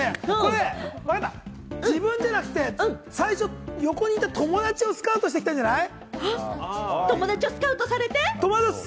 自分じゃなくて、最初、隣にいた友達をスカウトしてたんじゃない？